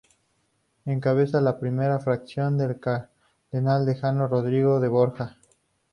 Encabezaba la primera fracción el Cardenal-Decano Rodrigo de Borja.